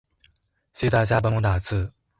謝謝大家幫忙打字